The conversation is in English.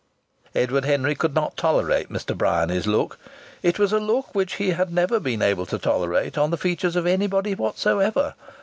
Edward Henry could not tolerate Mr. Bryany's look. It was a look which he had never been able to tolerate on the features of anybody whatsoever.